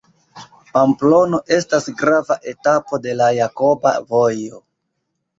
Pamplono estas grava etapo de la Jakoba Vojo.